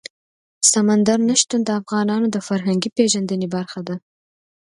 سمندر نه شتون د افغانانو د فرهنګي پیژندنې برخه ده.